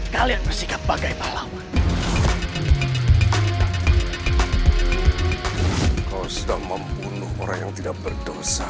kalian bersikap bagai pahlawan kau sudah membunuh orang yang tidak berdosa